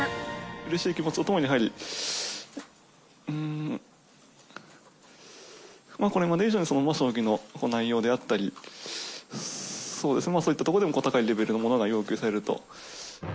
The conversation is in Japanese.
うれしい気持ちとともにやはり、これまで以上に将棋の内容であったり、そういったところでも高いレベルのものが要求されると。